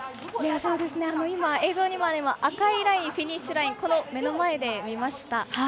今、映像にもある赤いフィニッシュライン目の前で見ました。